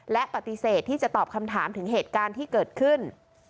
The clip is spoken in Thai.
และปฏิเสธที่จะตอบคำถามถึงเหตุการณ์ที่เกิดขึ้น